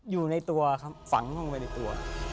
อยู่ในตัวครับฝังลงไปในตัว